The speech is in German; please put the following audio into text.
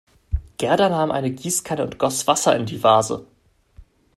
Gerda nahm eine Gießkanne und goss Wasser in die Vase.